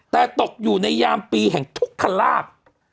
แต่ตกอยู่ในยามปีแห่งทุกขลาบ